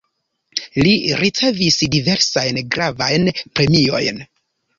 Li ricevis diversajn gravajn premiojn.